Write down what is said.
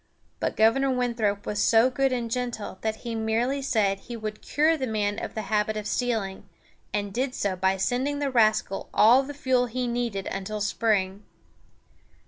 But Governor Winthrop was so good and gentle that he merely said he would cure the man of the habit of stealing, and did so by sending the rascal all the fuel he needed until spring.